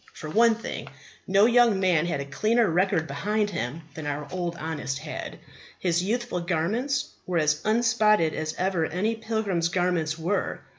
For one thing, no young man had a cleaner record behind him than our Honest had; his youthful garments were as unspotted as ever any pilgrim's garments were.